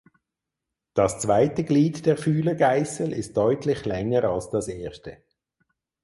Das zweite Glied der Fühlergeißel ist deutlich länger als das erste.